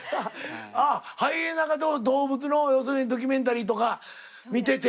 ハイエナが動物の要するにドキュメンタリーとか見てて。